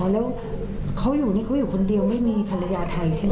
แล้วเขาอยู่นี่เขาอยู่คนเดียวไม่มีภรรยาไทยใช่ไหม